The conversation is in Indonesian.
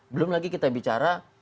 belum lagi kita bicara